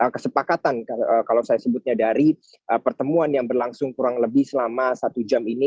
kesepakatan kalau saya sebutnya dari pertemuan yang berlangsung kurang lebih selama satu jam ini